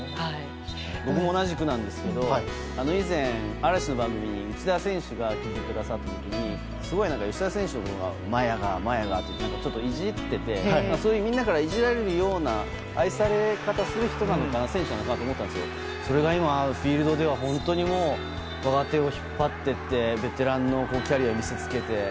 僕も同じくなんですけど以前嵐の番組に内田選手が出てくださったときにすごく、吉田選手のほうを麻也が、麻也がっていじってて、みんなからいじられるような愛され方をする選手なのかなと思ったんですがそれが今はフィールドでは本当に若手を引っ張っていてベテランのキャリアを見せつけて。